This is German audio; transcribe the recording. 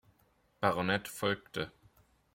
Baronet folgte.